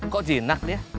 kok jinak dia